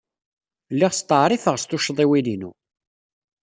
Lliɣ steɛṛifeɣ s tuccḍiwin-inu.